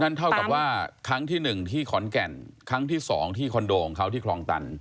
เท่ากับว่าครั้งที่๑ที่ขอนแก่นครั้งที่๒ที่คอนโดของเขาที่คลองตัน